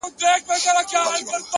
وخت د فرصت جامه اغوندي